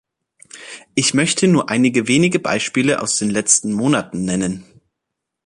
Ich möchte nur einige wenige Beispiele aus den letzten Monaten nennen.